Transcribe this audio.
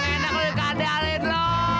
mengedak lo yuk ande alin lo